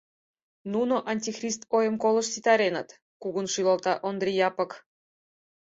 Нуно антихрист ойым колышт ситареныт, — кугун шӱлалта Ондри Япык.